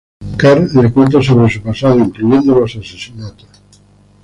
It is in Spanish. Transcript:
Karl le cuenta sobre su pasado, incluyendo los asesinatos.